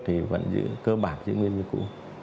thì vẫn giữ cơ bản chứng minh như cũ